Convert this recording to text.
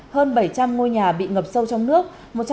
hơn bảy trăm linh ngôi nhà bị ngập sâu trong nước